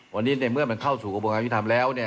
วันนี้เมื่อเข้าสู่กระบวงอาวิทย์ทำแล้ว